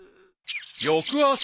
［翌朝］